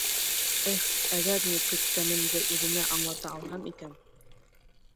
Эх, әгәр ни көткәнемде үҙенә аңлата алһам икән!